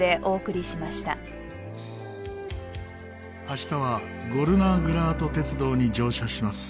明日はゴルナーグラート鉄道に乗車します。